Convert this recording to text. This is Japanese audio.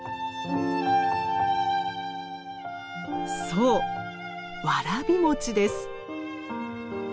そうわらび餅です！